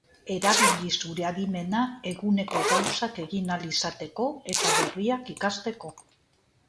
Erabili zure adimena eguneko gauzak egin ahal izateko, eta berriak ikasteko.